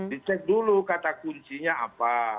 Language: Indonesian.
dicek dulu kata kuncinya apa